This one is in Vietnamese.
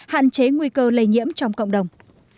hạn chế nguy cơ lây nhiễm trong cộng đồng